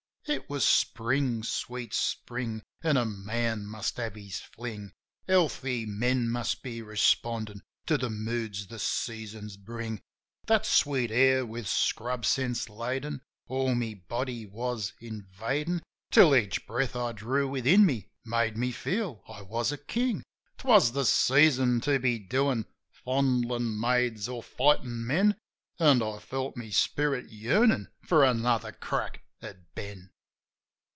It was Spring, sweet Spring, an' a man must have his fling: Healthy men must be respondin' to the moods the seasons bring. That sweet air, with scrub scents laden, all my body was invadin', Till each breath I drew within me made me feel I was a king. 'Twas the season to be doin' — fondlin' maids, or fightin' men— An' I felt my spirit yearnin' for another crack at Ben.